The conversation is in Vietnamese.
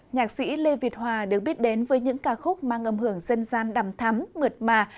nhạc sĩ lê việt hòa được biết đến với những ca khúc mang âm hưởng dân gian đầm thắm mượt mà